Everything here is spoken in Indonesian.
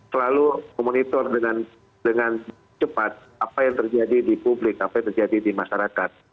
selalu memonitor dengan cepat apa yang terjadi di publik apa yang terjadi di masyarakat